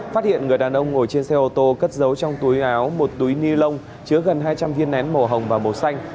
phát hiện người đàn ông ngồi trên xe ô tô cất giấu trong túi áo một túi ni lông chứa gần hai trăm linh viên nén màu hồng và màu xanh